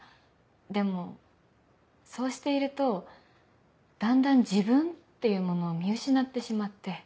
でもそうしているとだんだん自分っていうものを見失ってしまって。